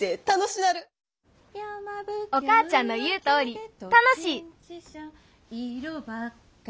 お母ちゃんの言うとおり楽しい！